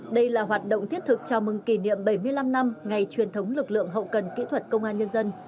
đây là hoạt động thiết thực chào mừng kỷ niệm bảy mươi năm năm ngày truyền thống lực lượng hậu cần kỹ thuật công an nhân dân